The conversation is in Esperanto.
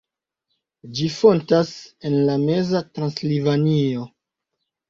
Ĝi fontas en la meza Transilvanio.